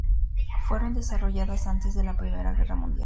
Fueron desarrolladas antes de la Primera Guerra Mundial.